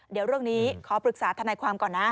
เดี๋ยวเรื่องนี้ขอปรึกษาทนายความก่อนนะ